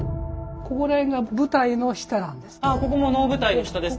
ここら辺が舞台の下なんです。